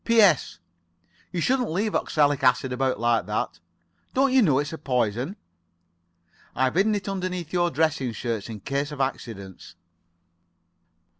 "P.S.—You shouldn't leave oxalic acid about like that. Don't you know it's a poison? I've hidden it underneath your dress shirts, in case of accidents."